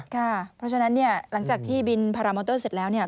เพราะฉะนั้นเนี่ยหลังจากที่บินพารามอเตอร์เสร็จแล้วเนี่ย